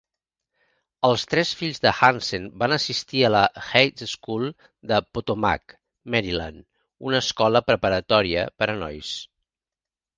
Els tres fills de Hanssen van assistir a la Heights School de Potomac, Maryland, una escola preparatòria per a nois.